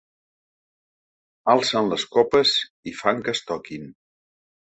Alcen les copes i fan que es toquin.